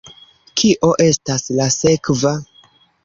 Kio estas la sekva?